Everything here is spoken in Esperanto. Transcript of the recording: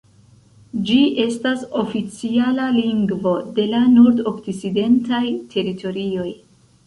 Ĝi estas oficiala lingvo de la Nordokcidentaj Teritorioj.